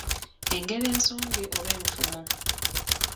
Engero ensonge oba enfumo